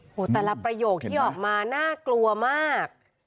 แต่ละประโยคที่ออกมาน่ากลัวมาก